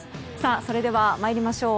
それでは参りましょう。